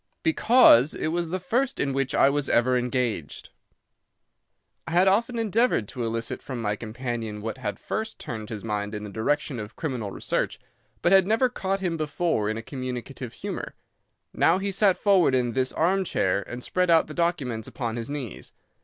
"Because it was the first in which I was ever engaged." I had often endeavoured to elicit from my companion what had first turned his mind in the direction of criminal research, but had never caught him before in a communicative humour. Now he sat forward in this armchair and spread out the documents upon his knees.